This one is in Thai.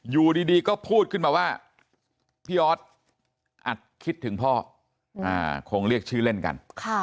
อยู่ดีก็พูดขึ้นมาว่าพี่ออสอัดคิดถึงพ่อคงเรียกชื่อเล่นกัน